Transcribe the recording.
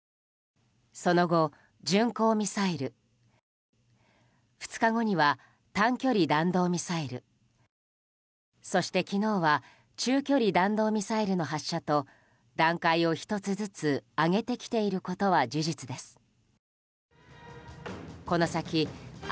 その後、巡航ミサイル２日後には短距離弾道ミサイルそして昨日は中距離弾道ミサイルの発射と段階を１つずつ上げてきていることは事実です。